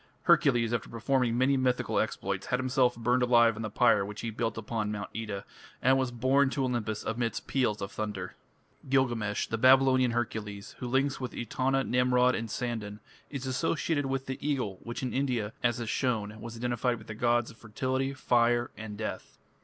Hercules, after performing many mythical exploits, had himself burned alive on the pyre which he built upon Mount Oeta, and was borne to Olympus amidst peals of thunder. Gilgamesh, the Babylonian Hercules, who links with Etana, Nimrod, and Sandan, is associated with the eagle, which in India, as has been shown, was identified with the gods of fertility, fire, and death.